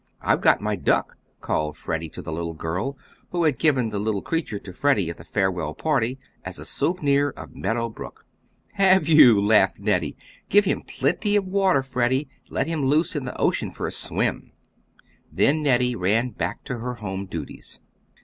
"I've got my duck," called Freddie to the little girl, who had given the little creature to Freddie at the farewell party as a souvenir of Meadow Brook. "Have you?" laughed Nettie. "Give him plenty of water, Freddie, let him loose in the ocean for a swim!" Then Nettie ran back to her home duties.